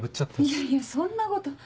いやいやそんなこと。